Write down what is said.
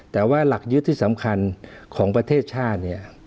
แต่ว่าหลักยึดที่สำคัญของประเทศชาติเนี่ย